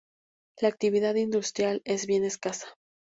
La actividad industrial es bien escasa.